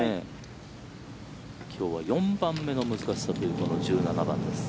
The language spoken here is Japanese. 今日は４番目の難しさというこの１７番です。